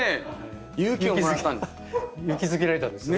勇気づけられたんですね。